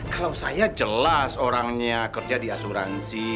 kalau saya jelas orangnya kerja di asuransi